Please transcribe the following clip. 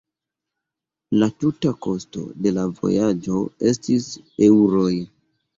La tuta kosto de la vojaĝo estis eŭroj.